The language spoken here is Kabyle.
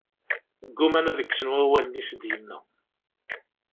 Ggumaan ad kksen wawalen i as-d-yenna.